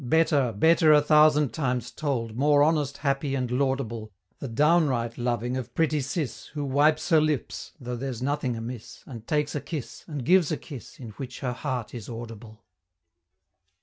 Better better a thousand times told More honest, happy, and laudable, The downright loving of pretty Cis, Who wipes her lips, though there's nothing amiss, And takes a kiss, and gives a kiss, In which her heart is audible!